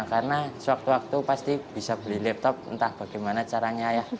karena sewaktu waktu pasti bisa beli laptop entah bagaimana caranya ya